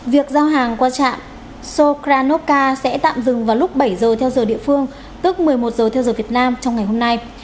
việc giao hàng qua trạm sokranopca sẽ tạm dừng vào lúc bảy giờ theo giờ địa phương tức một mươi một giờ theo giờ việt nam trong ngày hôm nay